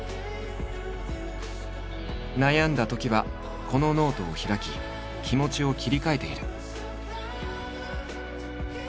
悩んだときはこのノートを開き気持ちを切り替えている。